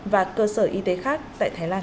và cơ sở y tế khác tại thái lan